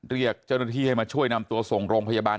เรียกเจ้าหน้าที่ให้มาช่วยนำตัวส่งโรงพยาบาล